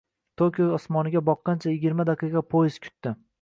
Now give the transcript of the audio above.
Tokio osmoniga boqqancha yigirma daqiqa poezd kutdi